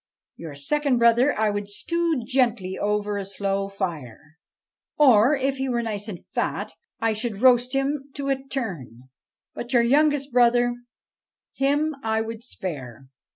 Your second brother I would stew gently over a slow fire, or, if he were nice and fat, I should roast him to a turn ; but your youngest brother him I would spare.'